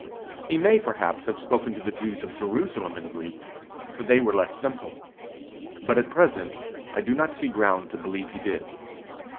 He may perhaps have spoken to the Jews of Jerusalem in Greek, for they were less simple; but at present I do not see ground to believe he did.